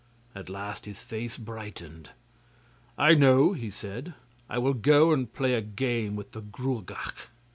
At last his face brightened. 'I know!' he said. 'I will go and play a game with the Gruagach.